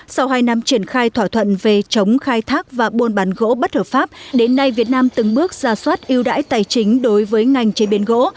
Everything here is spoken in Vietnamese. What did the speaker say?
sau hai năm triển khai thỏa thuận về chống khai thác và buôn bán gỗ bất hợp pháp đến nay việt nam từng bước ra soát yêu đãi tài chính đối với ngành chế biến gỗ